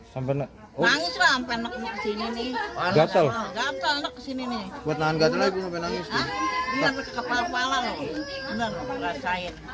sampai nangis lu ngerasain gatelnya lu sampai nangis lah sampai nanti kesini nih